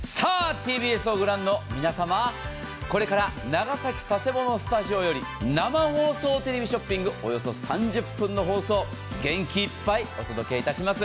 ＴＢＳを御覧の皆様、これから長崎・佐世保のスタジオより、生放送テレビショッピング、およそ３０分の放送、元気いっぱいお届けします。